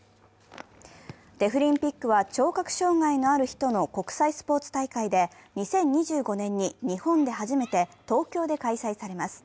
デフリンピックは聴覚障害のある人の国際スポーツ大会で２０２５年に日本で初めて東京で開催されます。